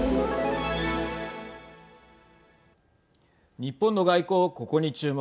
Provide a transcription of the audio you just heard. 日本の外交ここに注目。